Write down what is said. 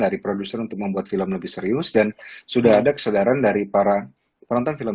dari produser untuk membuat film lebih serius dan sudah ada kesadaran dari para penonton film